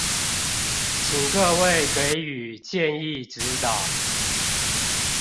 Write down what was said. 請各位給予建議指導